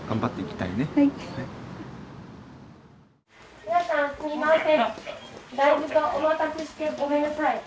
だいぶとお待たせしてごめんなさい。